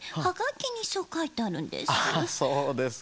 そうですか。